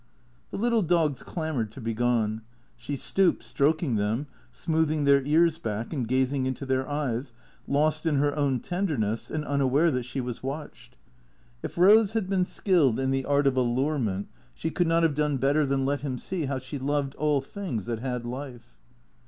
The little dogs clamoured to be gone. She stooped, stroking them, smoothing their ears back and gazing into their eyes, lost in her own tenderness, and unaware that she was watched. If Rose had been skilled in the art of allurement she could not have done better than let him see how she loved all things that had life.